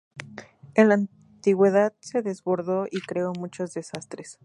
En la antigüedad, se desbordó y creó muchos desastres.